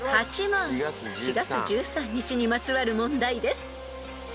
［４月１３日にまつわる問題です］